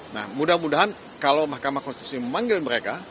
nah mudah mudahan kalau mahkamah konstitusi memanggil mereka